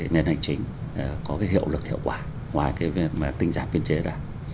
nền hành trình có cái hiệu lực hiệu quả ngoài cái tinh giảm tiên chế đó